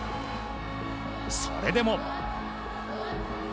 それでも。